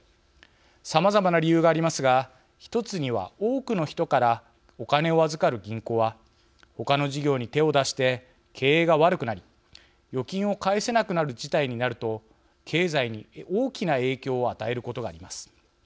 さまざまな理由がありますが１つには多くの人からお金を預かる銀行は他の事業に手を出して経営が悪くなり預金を返せなくなる事態になると経済に大きな影響を与えることがあります。